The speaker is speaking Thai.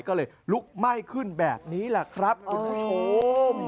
ก็เลยลุกไหม้ขึ้นแบบนี้แหละครับคุณผู้ชม